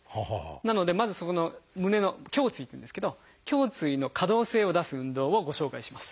なのでまずそこの胸の「胸椎」っていうんですけど胸椎の可動性を出す運動をご紹介します。